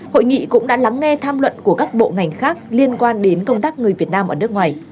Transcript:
hội nghị cũng đã lắng nghe tham luận của các bộ ngành khác liên quan đến công tác người việt nam ở nước ngoài